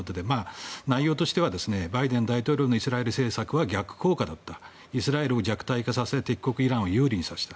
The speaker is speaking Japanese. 内容としてはバイデン大統領のイスラエル政策は逆効果だったイスラエルを弱体化させ敵国イランを有利にさせた。